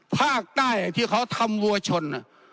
ภาคใต้ที่เขาทำวัวชน